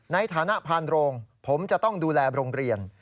ในฐานะพานโรงผมจะต้องดูแลโรงเรียน